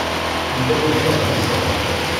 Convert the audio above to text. Yuba yebɣa ad tt-iẓer.